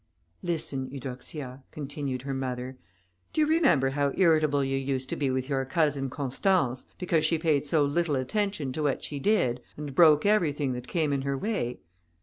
"Listen, Eudoxia," continued her mother, "do you remember how irritable you used to be with your cousin Constance, because she paid so little attention to what she did, and broke everything that came in her way?